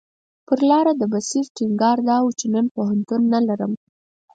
پر لاره د بصیر ټینګار دا و چې نن پوهنتون نه لرم.